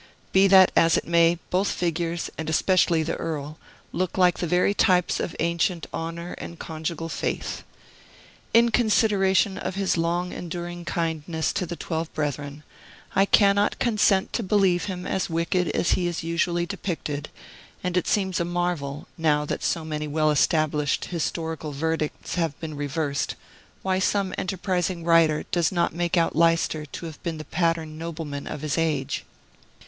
Be that as it may, both figures, and especially the Earl, look like the very types of ancient Honor and Conjugal Faith. In consideration of his long enduring kindness to the twelve brethren, I cannot consent to believe him as wicked as he is usually depicted; and it seems a marvel, now that so many well established historical verdicts have been reversed, why some enterprising writer does not make out Leicester to have been the pattern nobleman of his age.